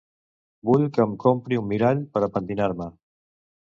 -Vull que em compri un mirall per a pentinar-me.